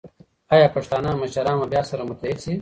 ایا پښتانه مشران به بیا سره متحد شي؟